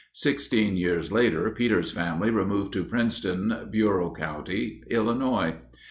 Sixteen years later Peter's family removed to Princeton, Bureau County, Illinois.